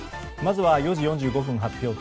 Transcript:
まずは４時４５分発表